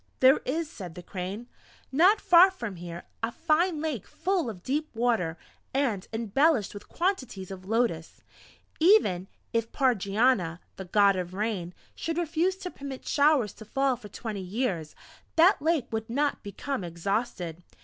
"There is," said the Crane, "not far from here, a fine Lake full of deep water, and embellished with quantities of lotus. Even if Pardjania, the God of rain, should refuse to permit showers to fall for twenty years, that Lake would not become exhausted.